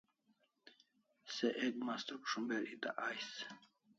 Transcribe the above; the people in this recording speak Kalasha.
Se ek mastruk shumber eta ais